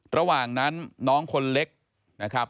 ระหว่างนั้นน้องคนเล็กนะครับ